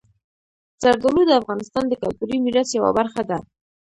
زردالو د افغانستان د کلتوري میراث یوه برخه ده.